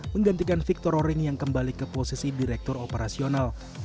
menggantikan victor roring yang kembali ke posisi direktur operasional